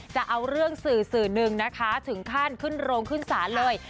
จะเอาเรื่องสื่อสื่อหนึ่งนะคะถึงขั้นขึ้นโรงขึ้นศาลเลย